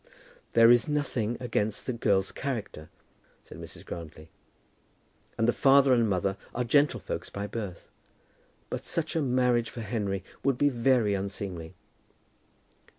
"There is nothing against the girl's character," said Mrs. Grantly, "and the father and mother are gentlefolks by birth; but such a marriage for Henry would be very unseemly."